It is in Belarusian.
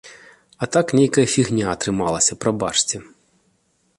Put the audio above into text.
А так нейкая фігня атрымалася, прабачце.